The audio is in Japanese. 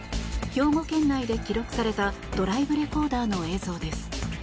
兵庫県内で記録されたドライブレコーダーの映像です。